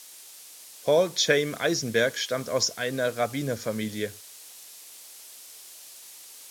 Paul Chaim Eisenberg stammt aus einer Rabbinerfamilie.